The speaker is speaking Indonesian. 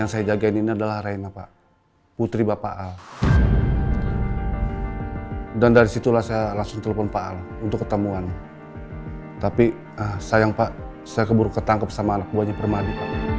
saya disekat di rumahmu